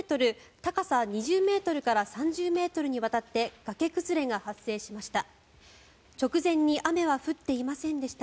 高さ２０ｍから３０ｍにわたって崖崩れが発生しました。